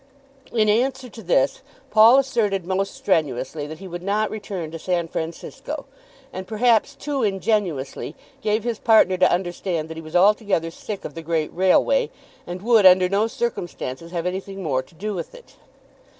In answer to this Paul asserted most strenuously that he would not return to San Francisco, and, perhaps too ingenuously, gave his partner to understand that he was altogether sick of the great railway, and would under no circumstances have anything more to do with it.